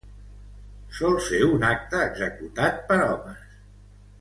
Sol ser un acte executat per homes.